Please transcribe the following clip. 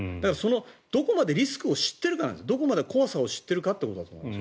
どこまでリスクを知っているかどこまで怖さを知っているかだと思います。